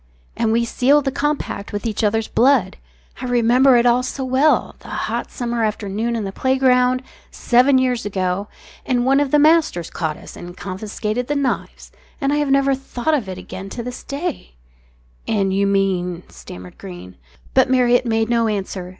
And we sealed the compact with each other's blood. I remember it all so well the hot summer afternoon in the playground, seven years ago and one of the masters caught us and confiscated the knives and I have never thought of it again to this day " "And you mean " stammered Greene. But Marriott made no answer.